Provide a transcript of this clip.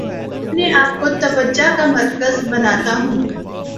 اپنے آپ کو توجہ کا مرکز بناتا ہوں